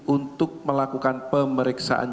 untuk melakukan pemeriksaan